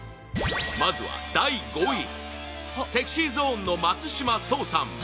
まずは、第５位ＳｅｘｙＺｏｎｅの松島聡さん